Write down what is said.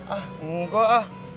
ah enggak ah